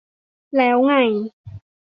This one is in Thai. แล้วไง